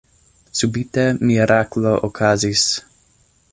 Subite miraklo okazis.